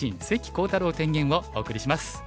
関航太郎天元」をお送りします。